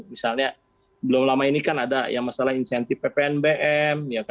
misalnya belum lama ini kan ada yang masalah insentif ppnbm